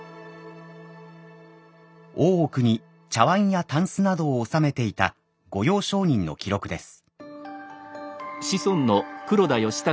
大奥に茶わんやたんすなどを納めていた御用商人の記録です。